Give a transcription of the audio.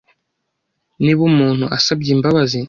Niba umuntu asabye imbabazi,